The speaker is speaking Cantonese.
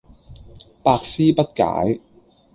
百思不解